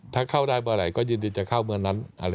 ถ้าเข้าได้เมื่อไหร่ก็ยินดีจะเข้าเมื่อนั้น